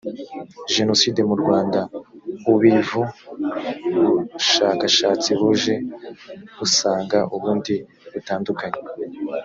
jenoside mu rwanda ubvu bushakashatsi buje busanga ubundi butandukanye